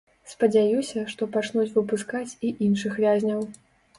Спадзяюся, што пачнуць выпускаць і іншых вязняў.